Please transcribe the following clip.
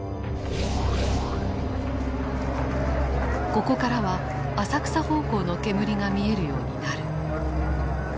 ここからは浅草方向の煙が見えるようになる。